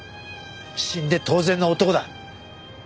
死んで当然の男だ。